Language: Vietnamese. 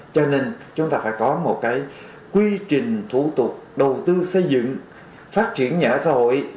cho nên chúng ta phải có một cái quy trình thủ tục đầu tư xây dựng phát triển nhà ở xã hội